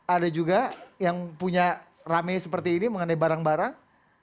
ada juga yang punya rame seperti ini mengenai barang barang